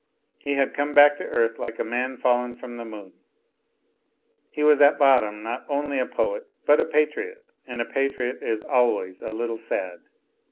He had come back to earth like a man fallen from the moon ; he was at bottom not only a poet but a patriot, and a patriot is always a little sad.